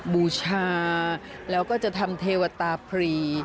บูชาแล้วก็จะทำเทวตาพรี